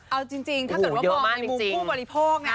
เอาจริงถ้าเกิดว่ามองในมุมผู้บริโภคนะ